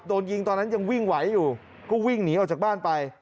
โดนยิงตอนนั้นยังวิ่งไหวอยู่ก็วิ่งหนีออกจากบ้านไป